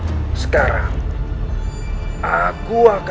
aku sudah berlamu langitari